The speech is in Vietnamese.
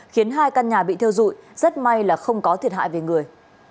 khiến hai căn nhà bị thiêu dụi rất may là không có thiệt hại về người